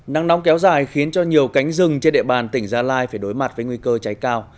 nắng nóng kéo dài khiến cho nhiều cánh rừng trên địa bàn tỉnh gia lai phải đối mặt với nguy cơ cháy cao